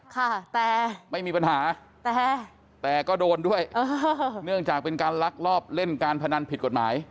ค่ะแต่ไม่มีปัญหาแต่แต่ก็โดนด้วยเออเนื่องจากเป็นการลักลอบเล่นการพนันผิดกฎหมาย